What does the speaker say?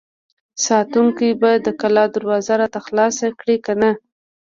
ساتونکي به د کلا دروازه راته خلاصه کړي که نه!